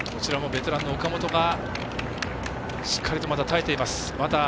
ベテランの岡本がしっかりと耐えています。